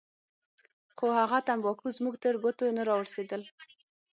خو هغه تمباکو زموږ تر ګوتو نه راورسېدل.